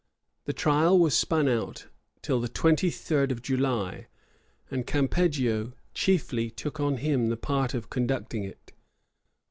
The trial was spun out till the twenty third of July; and Campeggio chiefly took on him the part of conducting it.